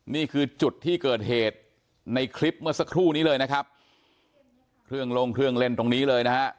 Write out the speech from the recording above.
นี่คือจุดที่เกิดเหตุในคลิปเมื่อสักครู่นี้เลยนะครับเครื่องลงเครื่องเล่นตรงนี้เลยนะฮะ